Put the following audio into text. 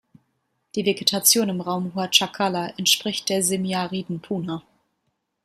Die Vegetation im Raum Huachacalla entspricht der semiariden Puna.